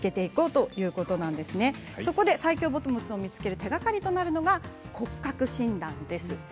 そこで最強ボトムスの見つける手がかりになるのが骨格診断です。